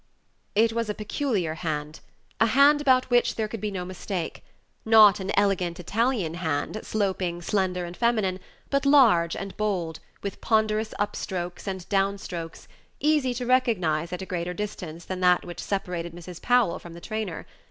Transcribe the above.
It was a peculiar hand a hand about which there could be no mistake; not an elegant Italian hand, sloping, slender, and feminine, but large and bold, with ponderous up strokes and down strokes, easy to recognize at a greater distance than that which Page 79 separated Mrs. Powell from the trainer.